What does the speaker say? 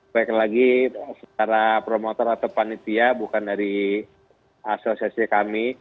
baik lagi secara promotor atau panitia bukan dari asosiasi kami